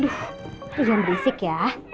aduh jangan berisik ya